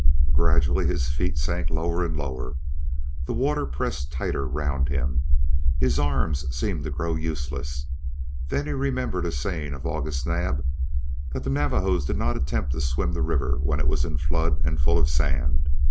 Gradually his feet sank lower and lower, the water pressed tighter round him, his arms seemed to grow useless. Then he remembered a saying of August Naab that the Navajos did not attempt to swim the river when it was in flood and full of sand.